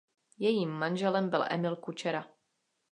Jejím manželem byl Emil Kučera.